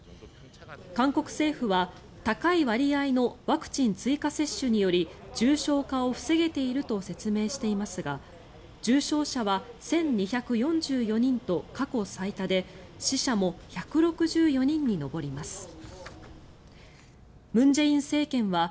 韓国政府は、高い割合のワクチン追加接種により重症化を防げていると説明していますが重症者は１２４４人と過去最多で死者も１６４人に上ります。